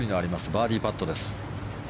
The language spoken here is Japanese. バーディーパットです。